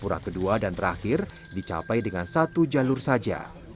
pura kedua dan terakhir dicapai dengan satu jalur saja